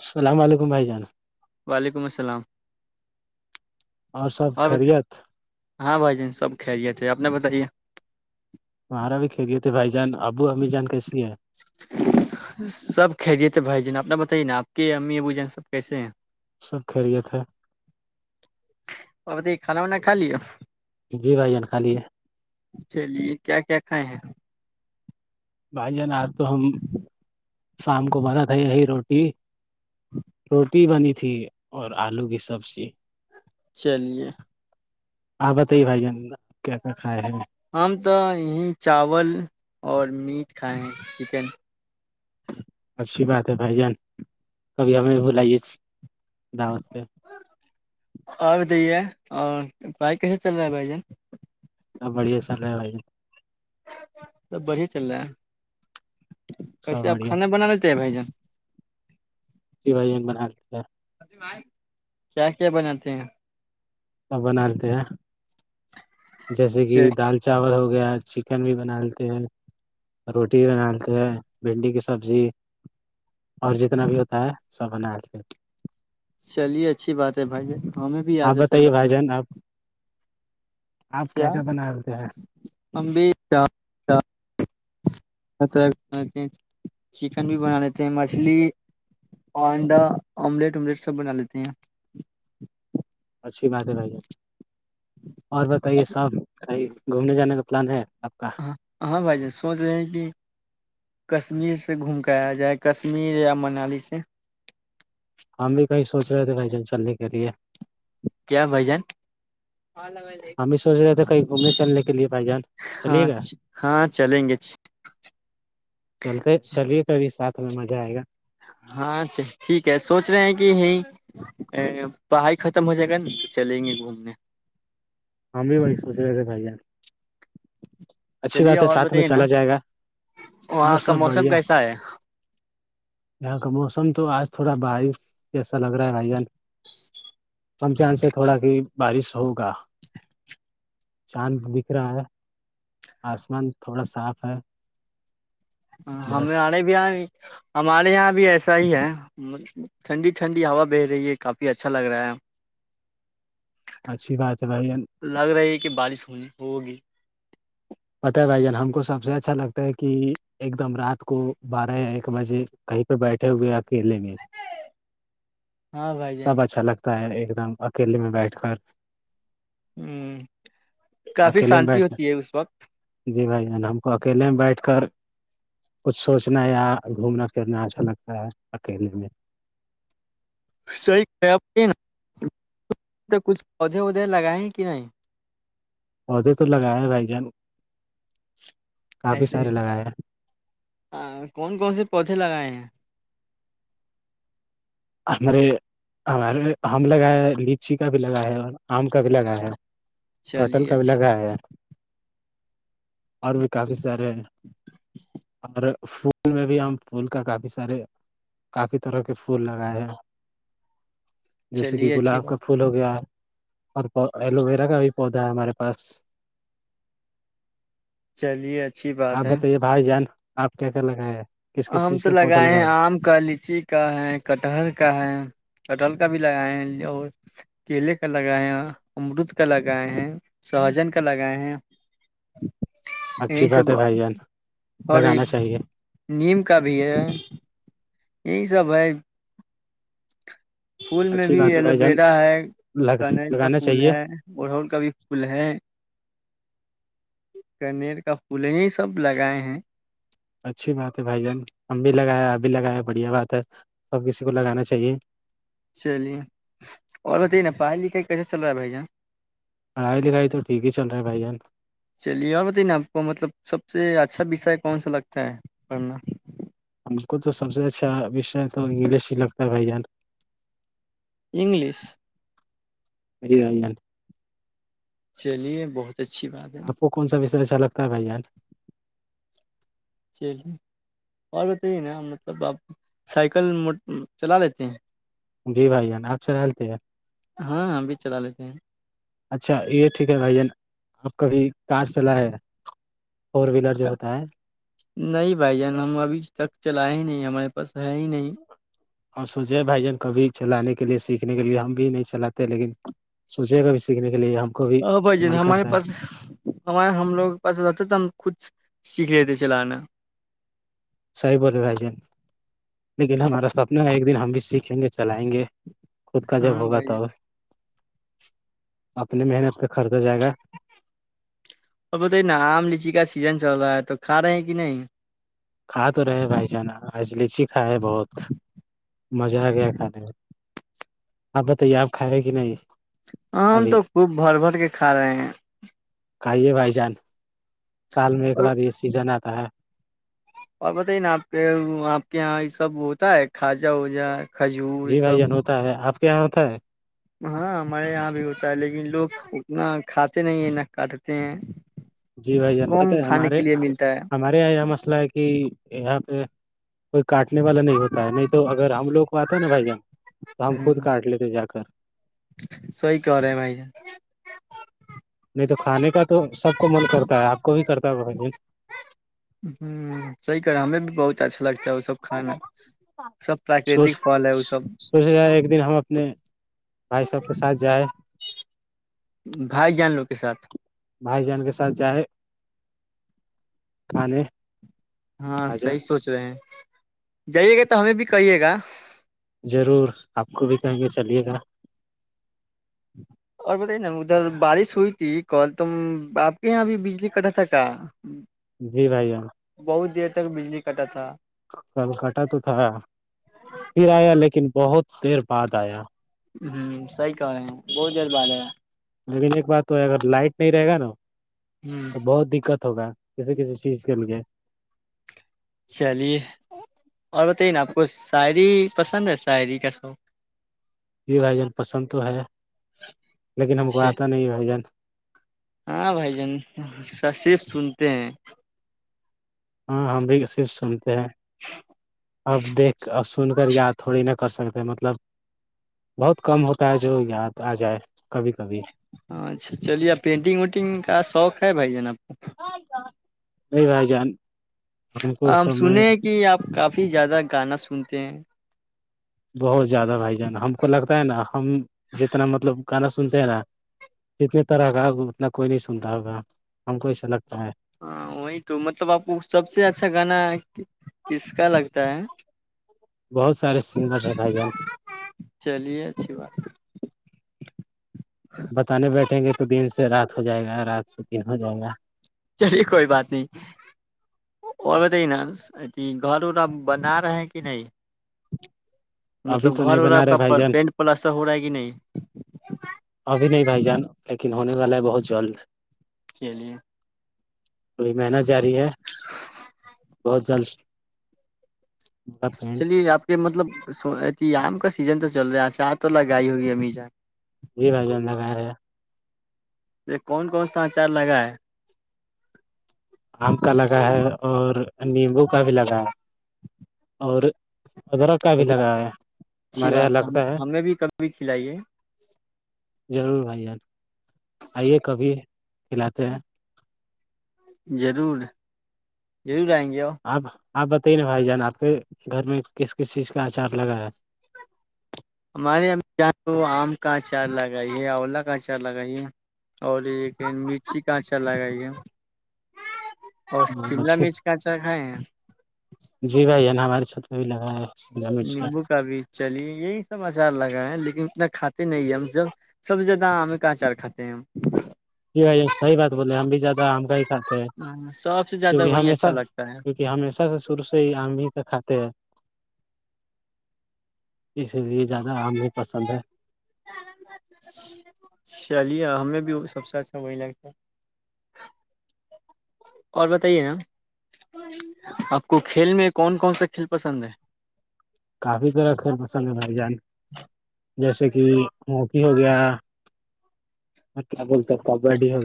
السلام علیکم بھائی جان وعلیکم السلام سب اور ب خیریت ہاں بھائی جن سب کھریے تھے آپ نے بتائیے ہمارا بھی کھیل گئے تھے بھائی جان ابو امیر جان کیسے سب کھریے تھے بھائی جن آپ اا بتائی نا آپ کے امی ابو جن سب کیسے ہیں سب خیریت ہے اور بتائیے کھانا وانا کھا لیا جی بھائی جان خالی ہے چلیے کیا کیا کھائے ہیں بھائی جان آج تو ہم شام کو بنا تھا یہی روٹی روٹی بنی تھی اور آلو کی سبزی چلیے ہاں بتائیے بھائی جان کیا کیا کھایا ہے ہم تو یہیں چاول اور میٹ کھائے ہیں چکن اچھی بات ہے بھائی جان کبھی ہمیں بھلاائیے دعوت سے اور دے اور پھائی کیسے چل رہا ہے بھائی جن س بڑھیا چلے بھائی سب بڑھیا چل رہا ہے سب ویسے آپ بڑھیا کھانا بنا لیتے ہیں بھائی جان سوائم بنا کیا کیا بناتے ہیں سب بناالتے ہیں جیسے کہ اچھا دال چاول ہو ہو گیا چکن بھی بنا لیتے ہیں روٹی بنا لیتے ہیں بھنڈی کی سبزی اور جتنا بھی ہوتا ہے سب بنا لیتے ہیں چلیے اچھی بات ہے بھائی ہمیں بھی آ جتا ہے ر بنانا جان آپ آپ کیا بنا لیتے ہیں ہم بھی چکن بھی بنا لیتے ہیں مچھلی انڈا آملیٹ املیٹ سب بنا لیتے ہیں اچھی بات ہے بھ اور بتائیے صاحب کھائی گھومنے جانے کا پلان ہے آپ کا ہاں ہاں بھائی سوچ رہے ہیں کہ کشمیر سے گھوم کے آل جائے کشمیر یا منالی سے ہم بھی کہیں سوچ رہے تھے بھائی جان چلنے کے لیے کیا بھائی جن ہم بھی سوچ رہے تھے کہیں گھومنے چلنے کے لیے بھائی جان چلیے ہاں گا ہاں چلیں گے چلتے چلیے کبھی سات پ مزہ آئے گا ہاں ٹھیک ہے سوچ رہے ہیں کہ یہیں پڑھائی ختم ہو جائے گا نا تو چلیں گے گھومنے ہم بھی وہی سوچ رہے تھے بھائی اچھی چلیے بات ہے اور ساتھ میں بتائیے نا چلا جائے گا اور وہاں کا سب موسم بڑھیا کیسا ہے یہاں کا موسم تو آج تھوڑا بارش جسا لگ رہا ہے بھائی جان کم چانس سے تھوڑا کہ بارش ہوگا چاند بکھ رہا ہے آسمان تھوڑا صاف ہے بس ہمارے بھی ہمارے یہاں بھی ایسا ہی ہے ٹھنڈی ٹھنڈی ہوا بہ رہی ہے کافی اچھا لگ رہا ہے اچھی بات ہے بھائی جان لگ رہا ہے کہ بارش ہو ہوگی پت ہے بھائی جان ہم کو سب سے اچھا لگتا ہے کہ ایک دم رات کو بارہ یا ایک بجے کہیں پہ بیٹھے ہوئے کیلے میں ہاں بھائی جان سب اچھا لگتا تا ہے ایک دم اکیلے میں بیٹھ کر ہ کافی اکیلے میں شانتی بیٹھ ہوتی ہے اس وقت جی بھائی جان ہم کو اکیلے میں بیٹھ کر کچھ سوچنا یا گھومنا پھرنا اچھا لگتا ہے اکیلے میں صحی کچھ پودےودے لگائے ہیں کہ نہیں پودے تو لگایا بھائی جان کافی ایسے سارے لگایا کون کون سے پودے لگائے ہیں ہے، ہمارے ہمارے ہم لگائے ہے لیچی کا بھی لگایا ہے آم کا بھی لگایا ہے کاٹل چلیے کا بھی اچھی لگایا اور بھی بات کافی سارے ہیں اور پھول میں بھی ہم پھول کا کافی سارے کافی طرح کے پھول ر جیسے کہ چلیے اچھی گلاب کا بات ہے پھول ہو گیا اور ایلو ویرا کا بھی پودا ہے ہمارے پاس چلیے اچھی بات آپ ہے بتائیے بھائی جان آپ کیا کیا لگا ہیں ہم تو لگائے ہیں آم کا لچی کا ہے کٹہر کا کا ہے کٹل کا بھی لگائے ہیں اور کیلے کا لگائے ہیں امرود کا لگائے ہیں سہجن کا لگائے ہیں اچھی یہی بات سب ہے بھائی جان اور ایک لگانا چاہیے نیم کا بھی ہے یہ سب ہے پھول میں اچھی بھی بات ہے ایلو بھائی جان ویرا ہے کنل کا لگانا پھول چاہیے ہے اڑہول کا بھی پھول ہے کنیر کا پھول یہ سب لگائے ہیں اچھی بات ہے بھائی جان ہم بھی لگایا اب بھی لگایا بڑھیا بات ہے سب کسی کو لگانا چاہیے چلیے اور بتائیے نا پڑھائی لکھائی کیسے چل رہا ہے بھائی جان پڑھائی لکھائی تو ٹھیک ہی چل رہا ہے بھائی جان چلیے اور بتائی نا آپ کو مطلب سب سے اچھا اچھا وسے کون سا لگتا ہے پڑھنا ہم کو تو سب سے اچھا وشے تو انگلش ہی لگتا ہے بھائی جان انگلش ا چلیے بہت سچھی بات ہے کو کون سا وشے اچھا لگتا ہے بھائی ار چلی اور بھی توی نا مطلب آپ سائیکل م چلا لیتے ہیں جی بھائی جان آپ سےلتے ہیں ہاں ہم بھی چلا لیتے ہیں اچھا یہ ٹھیک ہے بھائی جانپ کبھی کج چلا ہے فور ویلر جو ہوتا ہے نہیں بھائی جان ہم ابھی تک چلائے ہی نہیں ہمارے پاس ہے ہی نہیں اور سوچے بھائی جان کبھی چلانے کے لیے سیکھنے کے لیے ہم بھی نہیں چلاتے لیکن سوچے گا بھی سیکھنے کے لیے کو بھی ہ بھائی جن من ہمارے کرتا ہے پاس ہمارے ہم لوگوں کے پاس رہتے تھا ہم خود سیکھ لیتے چلانا صحیح بولے بھائی جان لیکن ہمارا سپنا ہے ایک دن ہم بھی سیکھیں گ چلائیں گے خود کا جب ہاں ہوگا بھائی جان تو اپنے محنت کر اور بتائی نا آم لیچی کا سیزن چل رہا ہے تو کھا رہے ہیں کہ نہیں ای لی چ اچھا ہے بہت مزہ آ گیا کھانے میں آپ بتائیے آپ کھا رہے کہ نہیں ہم ابھی تو خوب بھر بھر کے کھا رہے ہیں کائی ہے بھائی جان سال میں ایک اور بار یہ سیزن آ ہاں اور بتائی نا آپ کے آپ کے یہاں یہ سب ہوتا ہے کھاجہ ووجا کھجور یہ جی بھائی سب جان ہوتا ہے آپ کیا تھا ہے ہاں ہمارے یہاں بھی ہوتا ہے لیکن لوگ اتنا کھاتے نہیں ہیں نہ کاٹتے ہیں جی بھائی جان پت کم ہے کھانے ہمارے کے لیے ملتا ہے ہمارے یہاں یہ مسئلہ ہے کہ یہاں پہ کوئی کاٹنے والا نہیں ہوتا ہے نہیں تو اگر ہم لوگ کو آتا ہے نا بھائی جان تو ہم خود کاٹ لیتے جا کر سئی کر رہے م نہیں تو کھانے کا تو سب کو من کرتا ہے آپ کو بھی کرتا ہے ب ج صحیح کہہ رہے ہیں، ہمیں بھی بہت اچھا لگتا ہے وہ سب کھانا سب سوچ پراکرتک پھل ہے وہ سب سوچ رہ ایک دن ہم اپنے بھائی سب کے ساتھ جائے بھائی جان لو کے ساتھ بھائی جان کے ساتھ جائے کھانے ہاں آجا صحی سوچ رہے ہیں جائیے گا تو ہمیں بھی کہیے گا ضرور آپ کو بھی کہیں گے چلیے گا اور بتائی نا ادھر بارش ہوئی تھی کل تم آپ کے یہاں بھی بجلی کٹا تھا کا جی بھائییا بہت دیر تک بجلی کٹا تھا کل کٹا تو تھا پھر آیا لیکن بہت دیر بعد آیا ہ سی کہ رہے ہیں بہت دیر بال ہےا لیکن ایک بات تو اگر لائٹ نہیں رہے گا نا ہ تو بہت دقت ہوگا کسیے کسی چیز کے لیے چلیے اور بتائیے نا آپ کو شعری پسند ہے شعری کا شوق یہ بھائی جان پسند تو ہے لیکن ہم کو اچھا آتا نہیں یہ بھ جان ہاں بھائی جان صرف سنتے ہیں ہاں ہاں بھی ستے اب دیکھ اور سن کر یاد تھوڑی نہا کر سکتے پ مطلب بہت کم ہوتا ہے جو یاد آ جائے کبھی کبھی اں اچھا چلیے پینٹنگ وینٹنگ کا شوق ہے بھائی جناب نہیں رائے جان کو ہم سب میں سنے ہیں کہ آپ کافی زیادہ گانا سنتے ہیں بہت زیادہ بھائی جان ہم کو لگتا ہے نا ہم جتنا مطلب گانا سنتے ہیں نا جتنی طرح کا اتنا کوئی نہیں سنتا ہوگا ہم کو ایسا لگتا ہے ہاں وہی تو مطلب آپ کو سب سے اچھا گانا کس کا لگتا ہے بہت سارے سگر رہائے گ چلیے اچھی بات بتانے بیٹھیں گے تو دن سے رات ہو جائے گا رات سے دن ہو جائے گا چلیے کوئی بات نہیں اور بتائیے نا ا گھر ار ا بنا رہے ہیں کہ نہیں ابھی مطلب تو گھر نہیں و بنا رہے کا بھائی جان پینٹ پلاسٹر ہو رہا ہے کہ نہیں ابھی نہیں بھائی جان لیکن ہونے والا ہے بہت جلد کے لیے تھوڑی محنت جاری ہے بہت جلد پینٹ چلیے آپ کے مطلب ستی آم کسی سیزن تو چل رہا ہے چا تو لگائی ہوگئی امیزا جی بھائی انندہ کہاں رہ یہ کون کون سچار لگا ہے آم کا لگا ہے اور نیمبو کا بھی لگا ہے اور ادرک کا بھی لگا ہے اچھی ہمارے یہاں بات ہے لگتا ہمیں بھی کبھی بھی کھلائیے ضرور بھائی ان آئیے کبھی کھلاتے ہیں رور ضرور آئیں گے آ آپ آپ بتائیے نا بھائی جان آپ کے گھر میں کس کس چیز کا آچار لگا ہے ہمارے یہاں وہ آم کا اچار لگائیے اولا کا اچار لگائیے اور ایک مرچی کا اچار لگائیے اور شملا ہے مرچ کچا کھائے ہیں جی بھائی ہے نا ہمارے ساتھ وہی لگا ہے شملہ مرچ نیمبو کا بھی چلیے یہی سب آچار لگا ہے لیکن اتنا کھاتے نہیں ہے ہم جب سب ج ہمیں کاں چار کاتے ہیں جی بھائی صحیح بات بولے ہم بھی زیادہ آم کا ہی کھاتے ہیں ہم سب سے زیادہ کیکہ وہی اچھا ہشہ لگتا ہے کیکہ ہمیشہ سے شروع سے ہی آم ہی کا کھاتے ہیں اسی لیے زیادہ ہمیں پسند ہے چلیے ہمیں بھی سب سے اچھا وہی لگتا اور بتائیے نا آپ کو کھیل میں کون کون سا کھیل پسند ہے کافی طرح کر پسند جان ج جیسے کہ ہکی ہو گیا میں کیا بولتا کبڈی ہو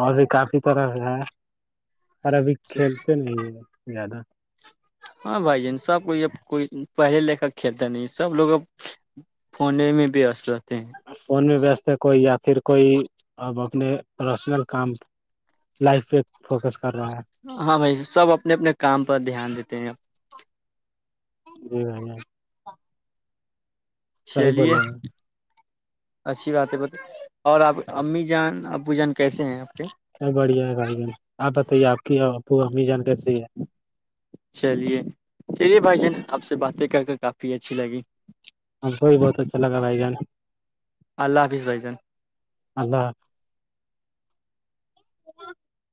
اور بھی کافی طرح سے ہیں اور ابھی ہے کھیلتے نہیں ہیں زیادہ ہاں بھائی جان سب کوئی اب کوئی پہلے لکھا کھیلتا نہیں سب لوگ اب فھنے میں بھی است فون میں وست کو یا پھر کوئی اب اپنے پرفسنل کام لائف پہ فوکس کر رہا ہے ہاں بھائی سب اپنے اپنے کام پر دھیان دیتے ہیں جی صحیح چلیے بولے ہیں اچھی بات ہے ب اور آپ امی جان ابو جان کیسے ہیں آپ کے س بڑھیا ہے بھائی بہن آپ بتائیے آپ کی پ ہمنی جانکاری صحیح چلیے چلیے بھائی جان آپ سے باتیں کر کے کافی اچھی لگی چ لگا بائی جان اللہ حافظ بھائی جان اللہ ح [unintelligible]